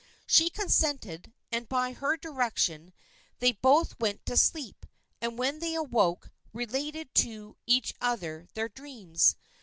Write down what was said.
She consented, and by her direction they both went to sleep, and when they awoke related to each other their dreams.